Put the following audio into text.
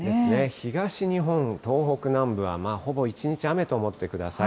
東日本、東北南部はほぼ一日雨と思ってください。